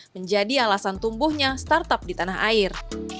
menjadi alasan tumbuhnya startup di tanah air